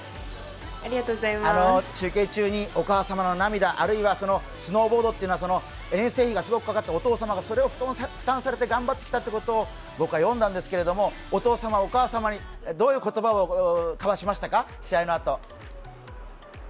中継中にお母様の涙、あるいはスノーボードというのは遠征費がすごくかかってお父様がそれを負担されて頑張ってきたということを僕は読んだんですけれども、お父様、お母様にどういう言葉を試合のあと交わしましたか？